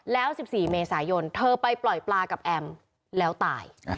แล้ว๑๔เมษายนเธอไปปล่อยปลากับแอมแล้วตาย